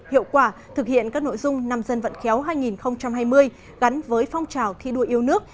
hiệu quả thực hiện các nội dung năm dân vận khéo hai nghìn hai mươi gắn với phong trào thi đua yêu nước